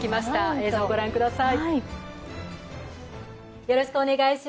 映像をご覧ください。